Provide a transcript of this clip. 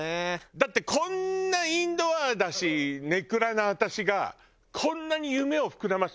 だってこんなインドアだし根暗な私がこんなに夢を膨らませてるんだから今。